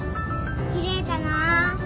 きれいだな。